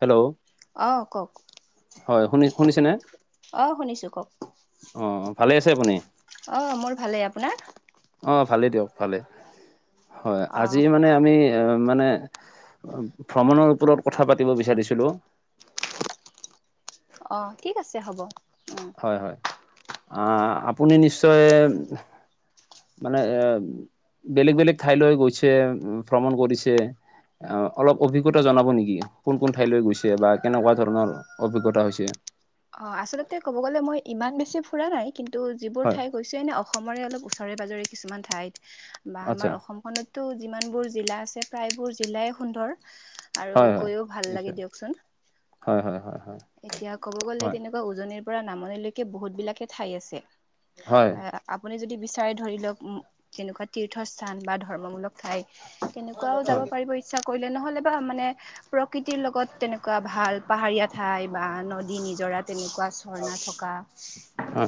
Hello অঁ কওক হয় শুনি শুনিছেনে অঁ শুনিছোঁ কওক অ ভালেই আছে আপুনি অ মোৰ ভালেই আপোনাৰ অ ভালেই দিয়ক ভালেই হয় আজি অঁ মানে আমি মানে ভ্ৰমণৰ ওপৰত কথা পাতিব বিচাৰিছিলো অ ঠিক আছে হ'ব হয় হয় আ আপুনি নিশ্চয় মানে এ বেলেগ বেলেগ ঠাইলৈ গৈছে ভ্ৰমণ কৰিছে অলপ অভিজ্ঞতা জনাব নেকি কোন কোন ঠাইলৈ গৈছে বা কেনেকোৱা ধৰণৰ অভিজ্ঞতা হৈছে অ আচলতে ক'ব গ'লে মই ইমান বেছি ফুৰা নাই কিন্তু যিবোৰ হয় ঠাই কৈছো এনে অসমৰে অলপ ওচৰে পাজৰে কিছুমান ঠাইত বা আমাৰ আচ্ছা অসমখনত তো যিমানবোৰ জিলা আছে প্ৰায়বোৰ জিলাই সুন্দৰ আৰু হয় হয় গৈও ভাল লাগে নিশ্চয় দিয়কচোন হয় হয় হয় হয় এতিয়া ক'ব গ'লে হয় তেনেকোৱা উজনিৰ পৰা নামনিলৈকে বহুত বিলাকে ঠাই আছে হয় অহ আপুনি যদি বিচাৰে ধৰি লওক তেনেকোৱা তীৰ্থ স্থান বা ধৰ্মমূলক ঠাই তেনেকোৱাও যাব হয় পাৰিব ইচ্ছা কৰিলে নহ'লে বা মানে প্ৰকৃতিৰ লগত তেনেকোৱা ভাল পাহাৰীয়াত ঠাই বা নদী নিজৰা তেনেকোৱা ঝৰ্ণা থকা হয় হয়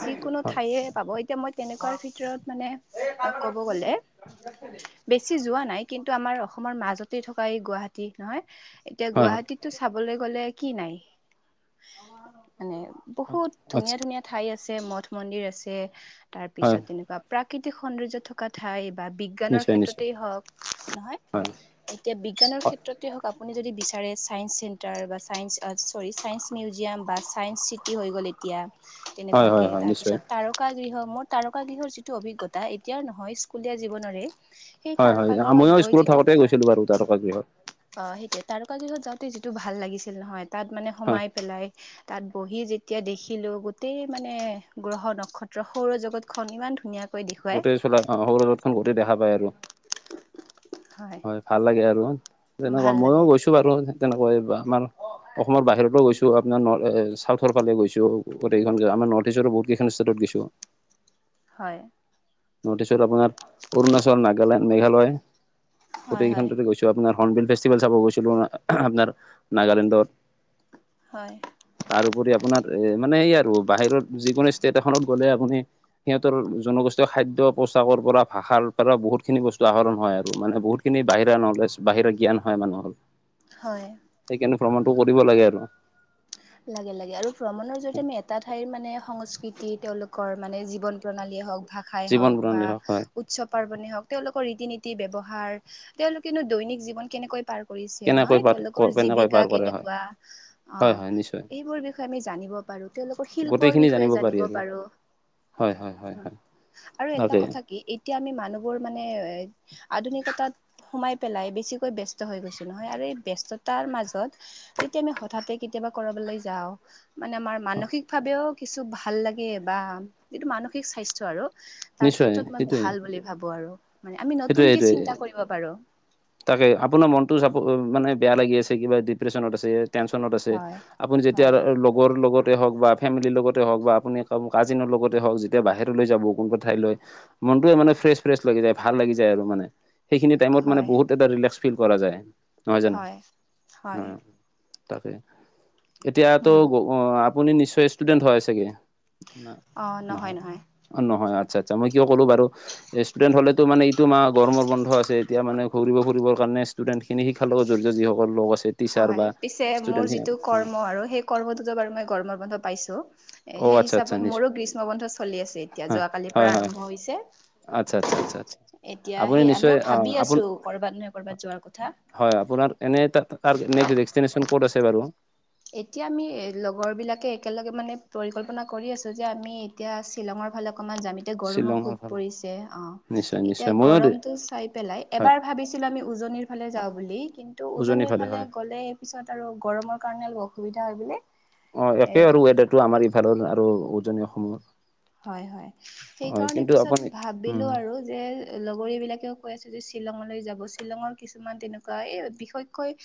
যিকোনো ঠায়ে পাব এতিয়া মই তেনেকোৱাৰ ভিতৰত মানে ক'ব গ'লে [unintelligible] বেছি যোৱা নাই কিন্তু আমাৰ অসমৰ মাজতেই থকা এই গুৱাহাটী নহয় এতিয়া হয় হয় গুৱাহাটীত চাবলৈ গ'লে কি নাই মানে বহুত আচ্ছা ধুনীয়া ধুনীয়া ঠাই আছে মঠ মন্দিৰ আছে তাৰ হয় পিছত তেনেকোৱা প্ৰাকৃতিক সৌন্দৰ্য থ কথাই বা বিজ্ঞানৰ নিশ্চয় নিশ্চয় ক্ষেত্ৰতেই হওক নহয় হয় এতিয়া বিজ্ঞানৰ ক্ষেত্ৰতে হওক আপুনি যদি বিচাৰে চাইন্ঞ্চ চি তাৰ বা ছায়েঞ্চ চৰি ছায়েন্স মিউজিয়াম বা ছায়েঞ্চ চিটি হৈ গ'ল এতিয়া হয় হয় তেনেকোৱাকে হয় তাৰ নিশ্চয় পিছত তাৰ কা গৃহ মোৰ তাৰকা গৃহৰ যিটো অভিজ্ঞতা এতিয়াৰ নহয় স্কুলীয়া জীৱনৰে সেই হয়, হয়, তাৰকাগৃহত ময়ও গৈ স্কুলত যিটো থাকোতে গৈছিলো বাৰু, তাৰকা গৃহত। অ, সেইটোয়ে তাৰকা দিনত যাওঁতে যিটো ভাল লাগিছিল নহয়, তাত মানে হয় সোমাই পেলাই। তাত বহি যেতিয়া দেখিলোঁ, গোটেই মানে গ্ৰহ, নক্ষত্ৰ সৌৰজগতখন ইমান ধুনীয়া। গোটেই চলা সৰু, জতখন গোটেই দেখা পায় আৰু। হয়। ভাল লাগে আৰু, তেনেকুৱা ভাল ময়ও লাগে গৈছো বাৰু তেনেকুৱা আমাৰ অসমৰ বাহিৰতো গৈছো, আপোনাৰ চাউথৰ ফালে গৈছো, গোটেইখন আমাৰ নৰ্থ ইষ্টৰ, বহুত কেইখন ষ্টেটত গৈছো। হয়। ষ্টত, আপোনাৰ অৰুণাচল, নাগালেণ্ড, মেঘালয়, হয় হয় গোটকেই গৈছো। আপোনাৰ হণবিল ফেষ্টিভেল চাব গৈছিলো, আপোনাৰ নাগালেণ্ডত হয়। তাৰপৰি আপোনাৰ এ, মানে এই আৰু বাহিৰত যিকোনো ষ্টেট এখনত গ'লে, আপুনি সিহঁতৰ জনগোষ্ঠ খাদ্য পোছাকৰ পৰা, ভাষাৰ পৰা বহুতখিনি বস্তু আহৰণ হয় আৰু মানে বহুতখিনি বাহিৰা নলেজ বাহিৰা জ্ঞান হয়, মানুহৰ। হয়। সেইকাৰণে ভ্ৰমণটো কৰিব লাগে, আৰু। লাগে, লাগে, আৰু ভ্ৰমণৰ জৰিয়তে আমি এটা ঠাইৰ মানে সংস্কৃতি তেওঁলোকৰ মানে জীৱন প্ৰণালীয়ে, হওঁক। ভাষাই জীৱন হ'ওক বা প্ৰণালীভাগ হয় উৎসৱ পাৰ্বণেই হ'ওক তেওঁলোকৰ ৰীতি-নীতি ব্যৱহাৰ, তেওঁলোকেনো দৈনিক জীৱন কেনেকৈ পাৰ কৰিছে কেনেকৈ নহয়, পাৰ তেওঁলোকৰ কেনেকৈ পাৰ জীৱিকা কৰে হয় কেনেকুৱা অ, হয় হয় নিশ্চয় এইবোৰ বিষয়ে আমি জানিব পাৰো, তেওঁলোকৰ শিল্পৰ গোটেইখিনি বিষয়ে পাৰি জানিব আৰু পাৰো। হয় হয় হয় হয় আৰু এটা তাকে কথা কি, এতিয়া আমি মানুহবোৰ মানে এ, আধুনিকতাত সোমাই পেলাই বেছিকৈ ব্যস্ত হৈ গৈছো, নহয় আৰু এই ব্যস্ততাৰ মাজত যেতিয়া আমি হঠাতে কেতিয়াবা কৰাবলৈ যাওঁ। মানে আমাৰ মানসিক ভাৱেও কিছু ভাল লাগে, বা যিটো মানসিক স্বাস্থ্যয় আৰু। তাৰ নিশ্চয় ক্ষেত্ৰত মই সেইটোৱে ভাল বুলি ভাবো আৰু মানে আমি সেইটোৱে নতুনকে সেইটোৱে চিন্তা কৰিব পাৰো। তাকে আপোনাৰ মনতো চ, মানে বেয়া লাগি আছে কিবা ডিপ্ৰেশচনত আছে। টেনচনত আছে, হয়। আপোনি‌ যেতিয়া হয়, লগৰ লগত হ'ক বা ফেমিলিৰ লগতে হ'ওক বা আপুনি কাজিনৰ লগতে হ'ওক যেতিয়া বাহিৰলৈ যাব কোনোবা ঠাইলৈ মনটো মান, ফ্ৰেচ ফ্ৰচ লাগি যায়। ভাল লাগি যায় আৰু মানে, সেইখিনি টাইমত মানে হয়, বহুত এটা ৰিলেক্স ফিল কৰা যায়। নহয় জানো, হয়, হয়, তাকে এতিয়াতো উম, ব অ, আপুনি নিশ্চয়, ষ্টুডেণ্ট হয় চাগে, ন। অ, নহয়, নহয়। অ, নহয় আচ্ছা, আচ্ছা, মই কিয় ক'লো বাৰু, ষ্টুডেণ্ট হ'লে টো, মানে এইটো ম, গৰমৰ বন্ধ আছে এতিয়া মানে ঘূৰিব ফুৰিব। কাৰণে ষ্টুডেণ্ট খিনি, শিকাৰ লগত জড়িত যিসকল লগ আছে। টিচাৰ হয়, বা পিছে মোৰ ষ্টুডেণ্ট যিটো কৰ্ম আৰু, সেই কৰ্মটোতো বাৰু মই গৰমৰ বন্ধ পাইছো। এ, অ সেই আচ্ছা আচ্ছা হিচাপত নিশ্চয় মোৰো গ্ৰীষ্ম বন্ধ চলি আছে, এতিয়া যোৱাকালিৰ পৰা আৰম্ভ হৈছে। আচ্ছ, আচ্ছা, আচ্ছা, আচ্ছা, আচ্ছা। এতিয়া আপুনি সেই নিশ্চয় আমিও অ ভাবি আপোন আছো, কৰ'বাত নহয় কৰ'বাত যোৱাৰ কথা। হয়, আপোনাৰ এনে তাৰ [inaudible] ক'ত আছে বাৰু। এতিয়া আমি লগৰবিলাকে একেলগে মানে পৰিকল্পনা কৰি আছোঁ, যে আমি এতিয়া শ্বিলঙৰ ফালে অকনমান যাম, এতিয়া গৰমো শ্বিলঙৰ খুব ফালে পৰিছে, অ, নিশ্চয় এতিয়া নিশ্চয় ময়ো গৰমটো চাই পেলাই হয় এবাৰ ভাবিছিলো আমি উজনিৰ ফালে যাওঁ বুলি কি ন্তু উজনিৰ ফালে গ'লে পিছত আৰু গৰমৰ কাৰণে অলপ অসুবিধা হয় বুলি অ একেই আৰু ৱেডাৰটো আমাৰ এইফালৰ আৰু উজনি অসমৰ। হয় হয়, হয় সেইকাৰণে কিন্তু আপুনি পিছত ভাবিলো উম আৰু যে লগৰীবিলাকেও কৈ আছে যে শ্বিলঙলৈ যাব, শ্বিলঙৰ কিছুমান তেনেকুৱা এই বিশেষকৈ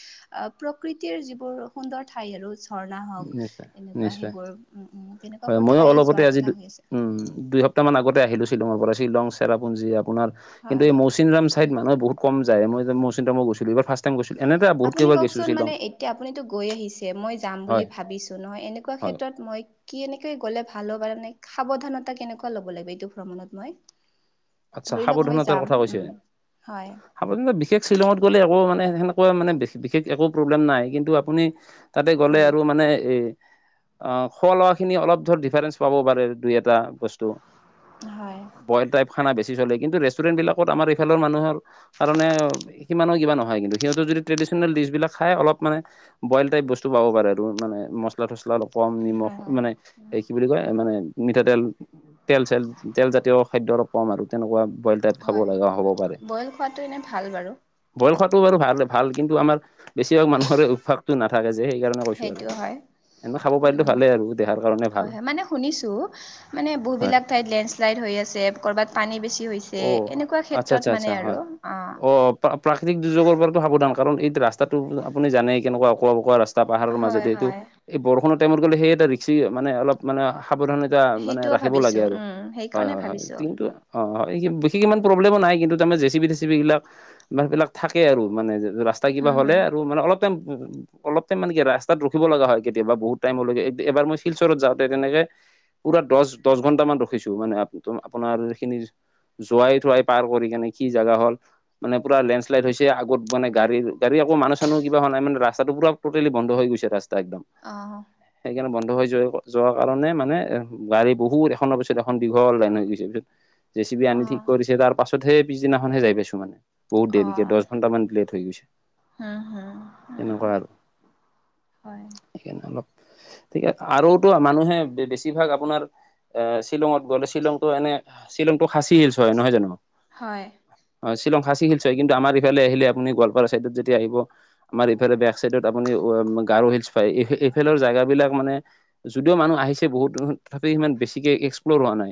আ প্ৰকৃতিৰ যিবোৰ সুন্দৰ ঠাই আৰু ঝৰ্ণা হওক নিশ্চয় এনেকুৱা নিশ্চয় সেইবোৰ উম তেনেকুৱা হয় বোৰ ময়ো ঠাই অলপতে যোৱাৰ আজি কথা হৈ আছে। উম দুই সপ্তাহ মান আগতে আহিলো শ্বিলঙৰ পৰা শ্বিলং চেৰাপুঞ্জ আপোনাৰ হয় কিন্তু মৌ চিনৰাম চাইড মানুহে বহুত কম যায় মই মৌচিনৰাম গৈছিলো এইবাৰ ফাৰ্ষ্ট টাইম গৈছিলে এনেইটো বহুত আপুনি কেইবাৰ কওকচোন গৈছিলো মানে শ্বিলং। এতিয়া আপুনিতো গৈ আহিছে, মই যাম বুলি হয় ভাবিছোঁ ন এনেকুৱা হয় ক্ষেত্ৰত মই কেনেকে গ'লে ভাল হ'ব পাৰে মানে সাৱধানতা কেনেকুৱা ল'ব লাগে এইটো ভ্ৰমণত মই? আচ্ছা ধৰি লওক মই সাৱধানতাৰ যাম, কথা কৈছে উম হয়। সাৱধানতা বিশেষ শ্বিলঙত গ'লে একো মানে সেনেকুৱা মানে বিশেষ একো প্ৰব্লেম নাই কিন্তু আপুনি তাতে গ'লে উম আৰু মানে এ আ খোৱা লোৱা খিনি অলপ ধৰ ডিফাৰেঞ্চ পাবও পাৰে দুই এটা বস্তু। হয়। বইল টাইপ খানা বেছি চলে কিন্তু, ৰেষ্টুৰেণ্ট বিলাকত আমাৰ এইফালৰ মানুহৰ কাৰণে সিমানো কিবা নহয় কিন্তু সিহঁতৰ যদি ট্ৰেডিচনেল ডিছবিলাক খায় অলপ মানে বইল টাইপ বস্তু পাব পাৰে আৰু মানে মছলা তচলা অলপ কম নিমখ হয় হয় মানে উম এই কি বুলি কয় মানে মিঠাতেল তেল চেল তেলজাতীয় খাদ্য অলপ কম আৰু তেনেকুৱা বইল টাইপ খাব হয় লগা হ'ব পাৰে। বইল খোৱাটো এনে ভাল বাৰু বইল খোৱাটো বাৰু ভাল ভাল কিন্তু আমাৰ বেছিভাগ মানুহৰে অভ্যাসটো নাথাকে যে, সেইকাৰণে কৈছো আৰু। সেইটো হয় এনে খাব পাৰিলে উম ভালে আৰু দেহাৰ কাৰণে ভাল হয় হয়, মানে শুনিছো মানে বহু হয় বিলাক ঠাইত লেণ্ডশ্লাইড হৈ আছে ক'ৰবাত পানী বেছি হৈছে অ এনেকুৱা আচ্ছা ক্ষেত্ৰত আচ্ছা মানে আচ্ছা হয় আৰু, অঁ। অ', প্ৰাকৃতিক দুৰ্যোগৰ পৰাটো সাৱধান কাৰণ এইটো ৰাস্তাটো আপুনি জানেই কেনেকুৱা অকোৱা পকোৱা ৰা স্তা পাহাৰৰ হয় মাজেদি এইটো হয় এই বৰষুণৰ টাইমত গ'লে সেই এটা ৰিক্সি মানে অলপ মানে সাৱধান তা মানে সেইটোও ৰাখিব লাগে ভাবিছোঁ আৰু উম হয় সেইকাৰণে হয় হয় ভাবিছোঁ কিন্তু অঁ হয় বিশেষ ইমান প্ৰব্লেমো নাই কিন্তু, তাৰমানে জে চি বি চে চি বি বিলাক থাকে আৰু মানে ৰা স্তা কিবা হুম হ'লে হুম আৰু মানে অলপ টাইম অলপ টাইম মানে কি ৰাস্তাত ৰখিব লগা হয় কেতিয়াবা বহুত টাইমলৈকে এবাৰ মই শিলচৰত যাওঁতে তেনেকে পুৰা দহ দহ ঘন্টামান ৰখিছো মানে আ আপোনাৰ এইখিনি যোৱাই থোৱাই পাৰ কৰি কেনে কি জেগা হ'ল মানে পুৰা লেন্ড শ্লাইড হৈছে আগত মানে গাড়ী গাডী আকৌ মানুহ চানুহ একা হোৱা নাই ৰাস্তাটো পুৰা টোটেলি বন্ধ হৈ গৈছে ৰাস্তা একদম। অঁহ। সেইকাৰণে বন্ধ হৈ যোৱা যোৱাৰ কাৰণে মানে গাড়ী বহুত এখনৰ পিছত এখন দীঘল লাইন হৈ গৈছে, পিছত জেচি বি অ আনি ঠিক কৰিছে তাৰ পাছতহে পিছদিনাখনহে যাই পাইছো মানে। বহুত অ দেৰিকে দহ ঘন্টামান লেট হৈ গৈছে, হুম হুম তেনেকুৱা আৰু। হয়। সেইকাৰণে অলপ আৰু তো মানুহে বেছিভাগ আপোনাৰ এ শ্বিলঙত গ'লে শ্বিলংটো এনে শ্বিলংটো খাচী শিলচ হয় নহয় জানো? হয়। অ' শ্বিলং খাচী শিলচ হয় কিন্তু আমাৰ ইফালে আহিলে আপুনি গোৱালপাৰা চাইডত যদি আহিব আমাৰ এইফালে বেক চাইডত আপুনি গাৰো হিলচ পায়, এইফালৰ জেগাবিলাক মানে যদিও মানুহ আহিছে বহুত, তথাপিও ইমান বেছিকে এক্সপ্লৰ হোৱা নাই।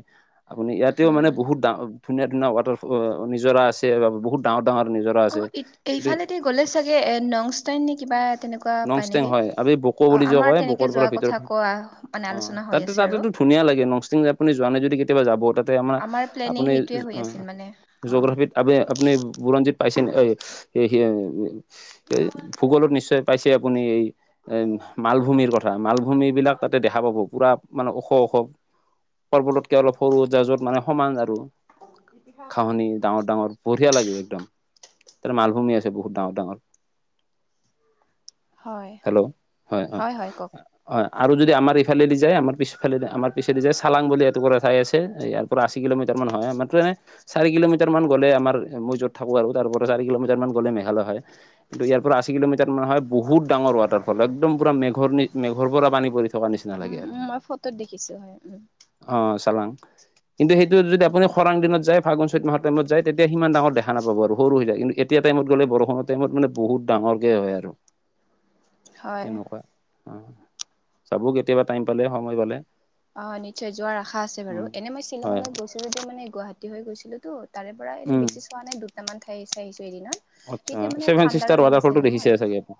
আপুনি এতিয়াও হুম মানে বহুতা ধুনীয়া ধুনীয়া ৱাটাৰ ফল নিজৰা আছে, বা বহুত ডাঙৰ ডাঙৰ নিজৰা আছে। অ' এইফালেদি গ'লে চাগে নংষ্টাইন নে কিবা তেনেকুৱা পায় নংষ্টেং নেকি? হয় আমি বকো অ' বুলি যে আমাৰ কয় বকৰ তেনেকে যোৱা পৰা ভিতৰত কথা কোৱা মানে অ আলোচনা হৈ তাতে আছে আৰু। তাতেতো ধুনীয়া লাগে, নংষ্টিং আপুনি যোৱা নাই যদি কেতিয়বা যাব। তাত তাতে আমাৰ প্লেনিং আপুনি সেইটোৱে হৈ আছিল মানে অ জগ্ৰাফিত আপ আপুনি বুৰঞ্জীত পাইছে ভূগোলত নিশ্চয় পাইছে। আপুনি এই এ মালভূমিৰ কথা, মালভূমি বিলাক তাতে দেখা পাব পুৰা। মানে ওখ ওখ পৰ্বততকে অলপ সৰু মাজত মানে সমান আৰু। ঘাঁহনিৰ। ডাঙৰ ডাঙৰ বঢ়িয়া লাগে একদম, তাৰ মালভূমি আছে বহুত ডাঙৰ ডাঙৰ। হয় হেল্ল' হয়, হয়। হয়। আৰু যদি আমাৰ ইফালেদি যায় আমাৰ পিচফালেদি আমাৰ পিচেদি যায়, চালাং বুলি এটুকুৰা ঠাই আছে। পুৰা আশী কিলোমিটাৰ মান হয়। আমাৰটো এনেই চাৰি কিলোমিটাৰ মান গ'লে আমাৰ, মই য'ত থাকো আৰু তাৰ পৰা চাৰি কিলোমিটাৰ মান গ'লে মেঘালয় হয়। কিন্তু ইয়াৰ পৰা আশী কিলোমিটাৰ মানে হয়, বহুত ডাঙৰ ৱাটাৰফল একদম পুৰা মেঘৰ নি মেঘৰ পৰা পানী পৰি থা থকাৰ নিচিনা লাগে উম আৰু, উম মই ফটোত দেখিছো হয় উম অঁ চালাং। কিন্তু সেইটো যদি আপুনি খৰাং দিনত যায় ফাগুন চ'ত মাহৰ টাইমত যায়, তেতিয়া সিমান ডাঙৰ দেখা নাপাব আৰু সৰু হৈ যায়। এতিয়া টাইমত গ'লে বৰষুণৰ টাইমত মানে বহুত ডাঙৰকে হয় আৰু। হয় তেনেকুৱা, অ' যাব কেতিয়াবা টাইম পালে সময় পালে। অ' নিশ্চয় যোৱাৰ আশা আছে বাৰু, উম এনেই মই হয়। শ্বিলঙলৈ গৈছিলো যে, মানে গুৱাহাটী হৈ গৈছিলো তো। তাৰে পৰা এনে উম, বেছি চোৱা নাই, দুটামান ঠাই চাই আহিছো এইদিনা, আচ্ছা তেতিয়া মানে ছেভেন চিষ্টাৰ ঠাণ্ডাৰো দিন ৱাটাৰফলটো আছিল দেখিছে নহয়। চাগে আপুনি?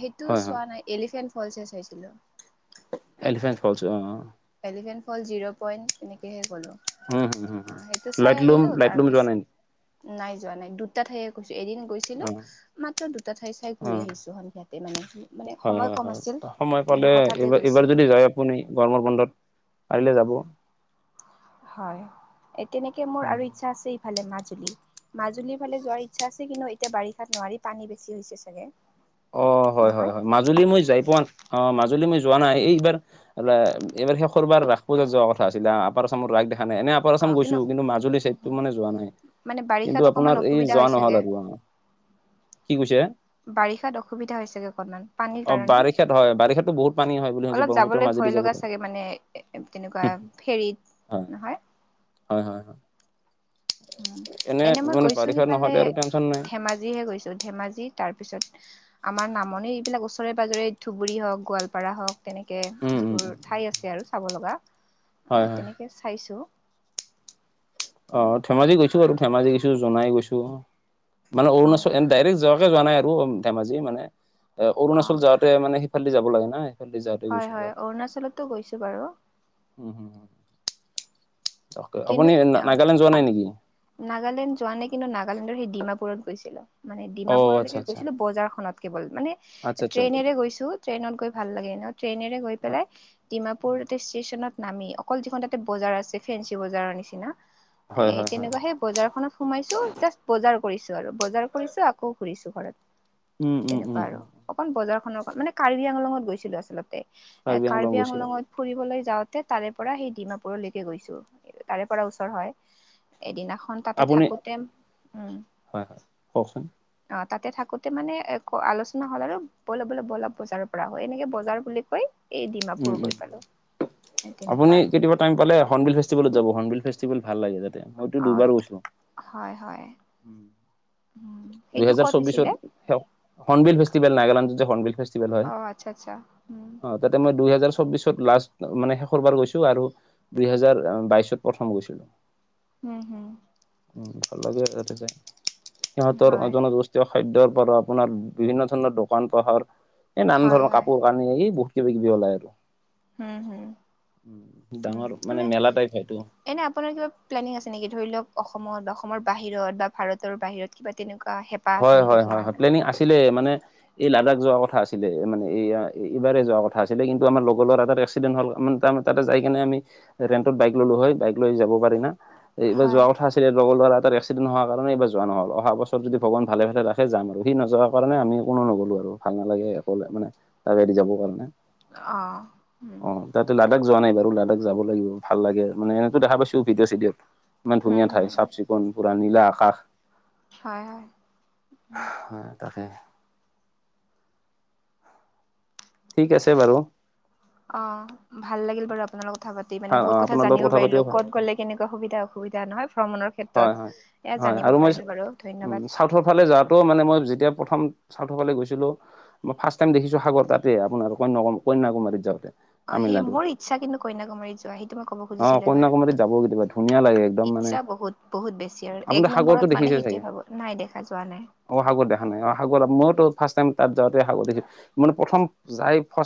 সেইটো হয়, হয়, চোৱা নাই, এলিফেণ্ট ফলচহে চাইছিলো। এলিফেণ্ট ফলচ অ'। এলিফেণ্ট ফলচ জিৰ' পইণ্ট এনেকৈহে গ'লোঁ। হুম, হুম, হুম অ' হুম। সেইটো চাই লাইটলুম, আহিলো, লাইটলুম যোৱা নাই নেকি? তাৰপিছত নাই যোৱা নাই দুটা ঠাইে গৈছো, এদিন গৈছিলো অ', মাত্ৰ দুটা ঠাই চাই ঘূৰি অ', আহিছো সন্ধিয়াত। তে মানে হয়, সময় হয়, কম হয়, আছিল সময় পালে মানে হঠাতে এইবাৰ, এইবাৰ গৈছোঁ। যদি যায় আপুনি গৰমৰ বন্ধত পাৰিলে যাব। হয়। এ তেনেকে মোৰ আৰু ইচ্ছা আছে ইফালে মাজুলী। মাজুলীৰ ফালে যোৱাৰ ইচ্ছা আছে। কিন্তু এতিয়া বাৰিষাত নোৱাৰি পানী বেছি হৈছে চাগে। অ' হয়, হয়, নহয় হয় মাজুলী মই যাই পোৱা নাই, অ' মাজুলী মই যোৱা নাই, এইবাৰ এইবাৰ শেষৰবাৰ ৰাস পূজাত যোৱা কথা আছিলে, আপাৰ আচামৰ ৰাস দেখা নাই। এনেই আপাৰ আচাম গৈছো, কিন্তু মাজুলী চাইডটো মানে যোৱা নাই। মানে কিন্তু বাৰিষাত অকমান আপোনাৰ এই অসুবিধা যোৱা হয় নহল চাগে আৰু অ'। কি কৈছে? বাৰিষাত অসুবিধা হয় চাগৈ অকণমান? পানীৰ অ কাৰণে, বাৰিষাত হয় বাৰিষাতো বহুত পানী হয় বুলি শুনিছো অলপ ব্ৰহ্মপুত্ৰৰ যাবলৈ মাজেদি ভয় যাব লগা লাগে চাগে মানে। এ তেনেকুৱা হয় ফেৰীত নহয়? হয়, হয়। হয় এনে মই মানে গৈছো বাৰিষা সিফালে নহ'লে আৰু টেনচন নাই ধেমাজিহে গৈছো। ধেমাজিত তাৰপিছত, আমাৰ নামনি এইবিলাক ওচৰে পজৰে ধুবুৰী হওঁক গোৱালপাৰা হওঁক তেনেকে উম উম যিবোৰ উম ঠাই আছে আৰু চাব লগা হয় হয় তেনেকৈ চাইছোঁ। অ' ধেমাজি গৈছো, আৰু ধেমাজি গৈছো জোনাই গৈছো মানে হয় অৰুণাচল এ ডাইৰেক্ট যোৱা তে যোৱা নাই আৰু ধেমাজিৰে মানে অ অৰুণাচল যাওঁতে মানে সিফালদি যাব লাগে নাই হয় হয় অৰুণাচলতো গৈছোঁ বাৰু উম কিন্তু আপুনি অ নাগালেণ্ড যোৱা নাই নেকি? নাগালেণ্ড যোৱা নাই কিন্তু নাগালেণ্ডৰ সেই ডিমাপুৰত গৈছিলো মানে অ আচ্ছা ডিমাপুৰলৈকে আচ্ছা গৈছিলো বজাৰখনত কেৱল মানে আচ্ছা আচ্ছা ট্ৰেইনেৰে গৈছো ট্ৰেইনত গৈ ভাল লাগে ট্ৰেইনেৰে গৈ পেলাই ডিমাপুৰ এটা ষ্টেচনত নামি অকল যিখন তাতে বজাৰ আছে ফেঞ্চি বজাৰৰ নিচিনা এ হয় হয় হয় তেনেকুৱা সেই বজাৰ খনত সোমাইছো জাষ্ট বজাৰ কৰিছো আৰু বজাৰ কৰিছো আকৌ ঘুৰিছো ঘৰত উম উম তেনেকুৱা উম আৰু অকণ বজাৰখনৰ মানে কাৰ্বি আংলঙত গৈছিলো আচলতে এ আংলং কাৰ্বি গৈছিলে আংলঙত ফুৰিবলৈ যাওঁতে তাৰে পৰা সেই ডিমাপুৰলৈকে গৈছোঁ তাৰে পৰা ওচৰ হয় এদিনাখন তাতে আপুনি থাকোতে উম হয় হয় কওকচোন অ তাতে থাকোতে মানে আলোচনা হল আৰু বলা বলা বলা বজাৰৰ পৰা হয় এনেকে বজাৰ বুলি কৈ এই ডিমাপুৰ উম গৈ উম পালোঁ আপুনি কেতিয়াবা টাইম পালে হৰ্ণবিল ফেষ্টিভেলত যাব হৰ্ণবিল ফেষ্টিভেল ভাল লাগে যাতে মইটো অ দুইবাৰ গৈছোঁ হয় হয় [inaudible] উম সেইটো দুহেজাৰ ক'ত চৌবিছত হৈছিলে হৰ্ণবিল ফেষ্টিভেল নাগালেণ্ডত যে হৰ্ণবিল ফে অ আচ্ছা আচ্ছা উম তাতে মই দুইহেজাৰ চৌবিশত লাষ্ট মানে শেষৰ বাৰ গৈছো আৰু দুইহেজাৰ বাইশত প্ৰথম গৈছিলোঁ হুম হুম উম ভাল লগে এতেকে সিহঁতৰ হয় জনজোষ্ঠীয় খাদ্যয়ৰ পৰা আপোনাৰ বিভিন্ন ধৰণৰ দোকান পহাৰ এ নান হয় ধৰণৰ হয় কাপোৰ কানি এ বহুত কিবা কিবি ওলাই আৰু হুম হুম উম ডাঙৰ মানে মেলা টাইপ সেইটো এনে আপোনাৰ কিবা প্লেনিং আছে নেকি ধৰিলওঁক অসমত বা অসমৰ বাহিৰত বা ভাৰতৰ বাহিৰত কিবা তেনেকুৱা হে হয় হয় হয় হয় প্লেনিং আছিলে মানে এই লাডাখ যোৱা কথা আছিলে মানে এ এইবাৰেই যোৱা কথা আছিলে কিন্তু আমাৰ লগৰ ল'ৰা এটাৰ এক্সিডেণ্ট হল তাতে যাই কিনে আমি ৰেন্টত বাইক ললো হয় বাইক লৈ যাব পাৰি না এইবাৰ হয় যোৱা কথা আছিলে লগৰ ল'ৰা এটাৰ এক্সিডেণ্ট হোৱাৰ কাৰণে এইবাৰ যোৱা নহল অহা বছৰত যদি ভগৱান ভালে ভালে ৰাখে যাম আৰু সি নযোৱাৰ কাৰণে আমি কোনো নগ'লোঁ আৰু ভাল নালাগে অকলে মানে তাক এৰি যাব কাৰণে অ উম অ তাতে লাডাখ যোৱা নাই বাৰু লাডাখ যাব লাগিব ভাল লাগে মানে দেখা পাইছো ভিডিঅ' চিডিঅ ইমান হুম ধুনীয়া ঠাই হুম চাফ-চিকুণ পূৰা নীলা আকাশ হয় হয় হয় তাকে ঠিক আছে বাৰু অ ভাল লাগিল বাৰু আপোনা লগত কথা পাতি মানে ভাল অ বহুত কথা আপোনাৰ লগত জানিব পাতিও পাৰিলো ভাল ক'ত গ'লে কেনেকুৱা সুবিধা অসুবিধা নহয় ভ্ৰমণৰ হয় হয় ক্ষেত্ৰত এয়া জানিব পাৰিলো বাৰু ধন্যবাদ চাউথৰফালে যাত টো মানে মই যেতিয়া প্ৰথম চাউথৰফালে গৈছিলো টো মই ফাষ্ট টাইম দেখিছো সাগৰ তাতে আপোনাৰ কন্য কন্যাকুমাৰী যাওঁতে অ সেই তামিলনাডুৰ মোৰ ইচ্ছা কিন্তু কন্যাকুমাৰীত যোৱা সেইটো মই ক'ব অ খুজিছিলো এবাৰ কন্যাকুমাৰীত যাব কেতিয়াবা ধুনীয়া লাগে একদম মানে ইচ্ছা বহুত বহুত বেছি আৰু আপুনি এক সাগৰটো নম্বৰত দেখিছে মানে চাগে সেইটোৱে ভাব নাই দেখা যোৱা নাই অ সাগৰ দেখা নাই অ সাগৰ মইওতো ফাৰ্ষ্টাইম তাত যাওঁতে সাগৰ দেখছো মানে প্ৰথম যাই ফাৰ্ষ্ট